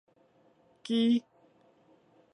吱